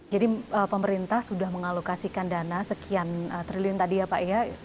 jadi pemerintah sudah mengalokasikan dana sekian triliun tadi ya pak ya